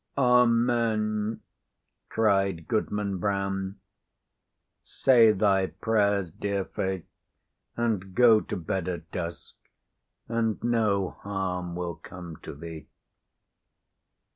"Amen!" cried Goodman Brown. "Say thy prayers, dear Faith, and go to bed at dusk, and no harm will come to thee."